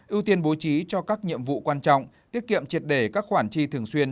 ưu tiên bố trí cho các nhiệm vụ quan trọng tiết kiệm triệt để các khoản chi thường xuyên